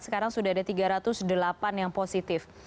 sekarang sudah ada tiga ratus delapan yang positif